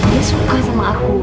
dia suka sama aku